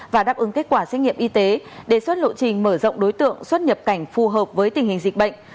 và đáp ứng kết quả xét nghiệm y tế đề xuất lộ trình mở rộng đối tượng xuất nhập cảnh phù hợp với tình hình dịch bệnh